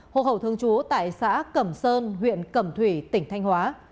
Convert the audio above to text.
hộ khẩu thương chú tại xã cẩm sơn huyện cẩm thủy tỉnh thanh hóa